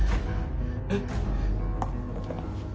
えっ？